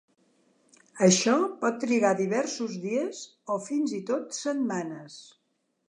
Això pot trigar diversos dies o fins i tot setmanes.